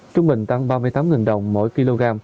trung bình tăng ba mươi tám đồng mỗi kg